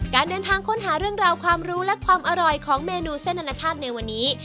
การเดินทางค้นหาเรื่องราวความรู้และความอร่อยของเมนูเส้นอนาชาติในวันนี้